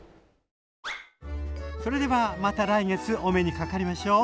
それではまた来月お目にかかりましょう。